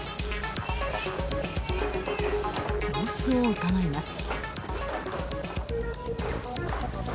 様子をうかがいます。